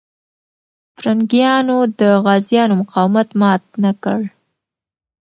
پرنګیانو د غازيانو مقاومت مات نه کړ.